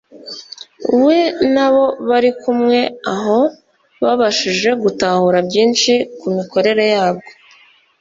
we n’abo bari kumwe aho babashije gutahura byinshi ku mikorere yabwo